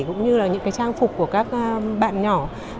cũng như là những cái trang phục của các bạn nhỏ